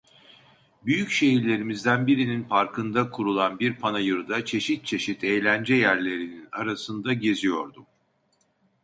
Büyük şehirlerimizden birinin parkında kurulan bir panayırda çeşit çeşit eğlence yerlerinin arasında geziyordum.